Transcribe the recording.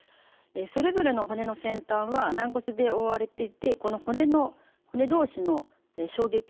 それぞれの骨の先端は軟骨で覆われていてこの骨同士の衝撃を吸収しています。